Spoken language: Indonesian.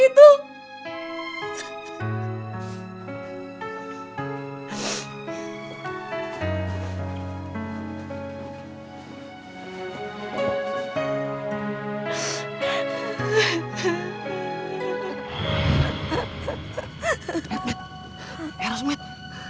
saya salah sama anak sinang itu